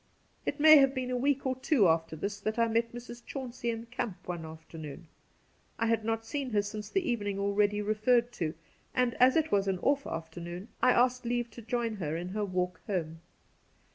It may have been a week or two after this that I met Mrs. Chauncey in camp one afternoon. I had not seen her since the evening already referred to, and, as it was an off afternoon, I asked leave to join her in her walk home.